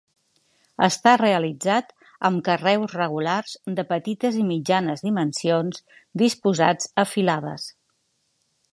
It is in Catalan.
Està realitzat amb carreus regulars de petites i mitjanes dimensions disposats a filades.